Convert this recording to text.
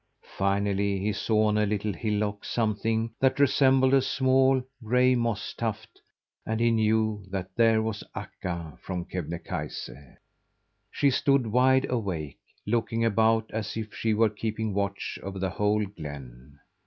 Finally, he saw on a little hillock something that resembled a small, gray moss tuft, and he knew that there was Akka from Kebnekaise. She stood, wide awake, looking about as if she were keeping watch over the whole glen.